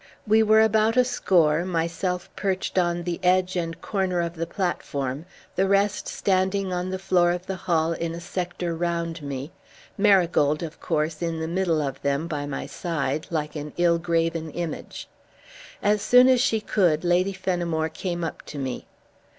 We were about a score, myself perched on the edge and corner of the platform, the rest standing on the floor of the hall in a sector round me, Marigold, of course, in the middle of them by my side, like an ill graven image. As soon as she could Lady Fenimore came up to me.